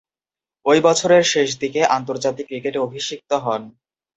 ঐ বছরের শেষদিকে আন্তর্জাতিক ক্রিকেটে অভিষিক্ত হন।